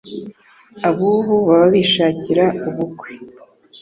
abubu baba bishakira ubukwe